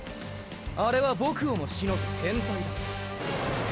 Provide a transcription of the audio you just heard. あれはボクをもしのぐ変態だ。